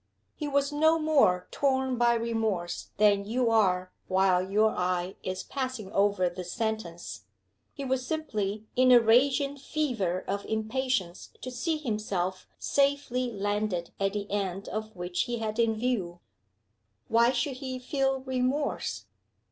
He was no more torn by remorse than you are while your eye is passing over this sentence. He was simply in a raging fever of impatience to see himself safely la nded at the end which he had in view. Why should he feel remorse?